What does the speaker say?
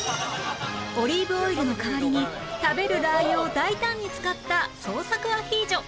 オリーブオイルの代わりに食べるラー油を大胆に使った創作アヒージョ